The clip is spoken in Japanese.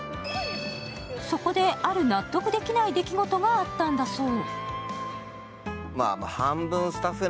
そこで、ある納得できない出来事があったんだそう。